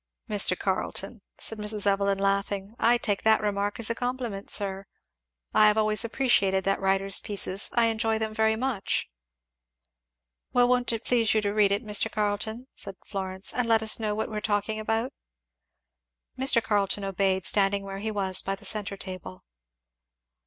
"Mr. Carleton," said Mrs. Evelyn laughing, "I take that remark as a compliment, sir. I have always appreciated that writer's pieces I enjoy them very much." "Well, won't you please read it, Mr. Carleton?" said Florence, "and let us know what we are talking about." Mr. Carleton obeyed, standing where he was by the centre table.